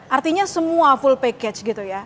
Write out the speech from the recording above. artinya semua full package gitu ya